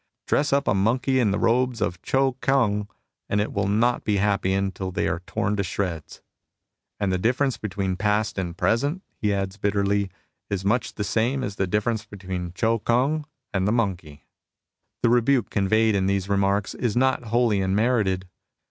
" Dress up a monkey in the robes of Chou Kung/ and it will not be happy until they are torn to shreds. And the difference between past and present," he adds bitterly, ''is much the same as the difference between Chou Kung and a monkey." The rebuke conveyed in these remarks is not wholly unmerited.